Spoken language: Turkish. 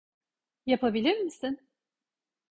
Yapabilir misin?